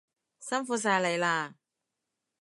辛苦晒你喇